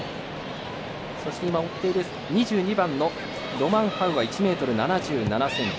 そして、２２番のロマンハウは１ｍ７７ｃｍ。